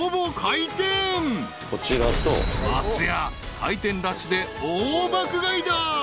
［松也開店ラッシュで大爆買いだ］